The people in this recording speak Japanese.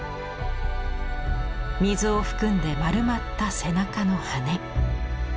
水を含んで丸まった背中の羽。